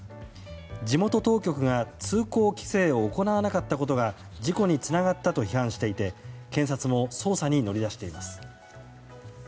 地元当局が通行規制を行わなかったことが事故につながったと批判していて検察も捜査に乗り出しています。